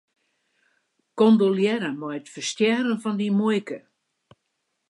Kondolearre mei it ferstjerren fan dyn muoike.